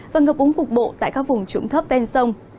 và ngập úng cục bộ tại các vùng trụng thấp ven sông